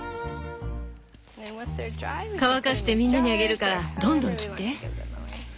乾かしてみんなにあげるからどんどん切って。